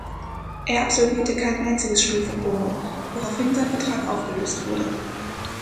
Er absolvierte kein einziges Spiel für Como, woraufhin sein Vertrag aufgelöst wurde.